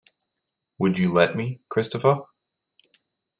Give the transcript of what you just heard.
Would you let me, Christopher?